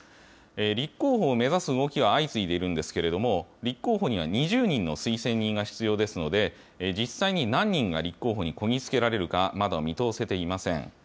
立候補を目指す動きは相次いでいるんですけれども、立候補には２０人の推薦人が必要ですので、実際に何人が立候補にこぎ着けられるか、まだ見通せていません。